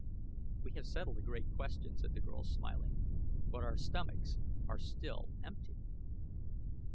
"We have settled a great question," said the girl, smiling; "but our stomachs are still empty."